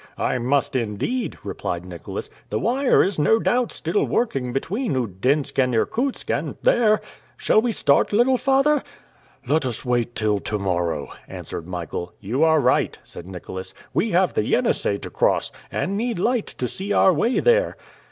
"I must indeed!" replied Nicholas. "The wire is no doubt still working between Oudinsk and Irkutsk, and there Shall we start, little father?" "Let us wait till to morrow," answered Michael. "You are right," said Nicholas. "We have the Yenisei to cross, and need light to see our way there!"